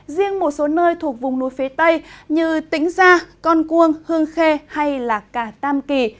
riêng một số nơi thuộc vùng núi phía tây như tĩnh gia con cuông hương khê hay cả tam kỳ